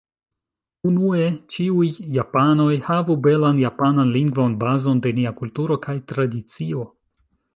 Unue ĉiuj japanoj havu belan japanan lingvon, bazon de nia kulturo kaj tradicio.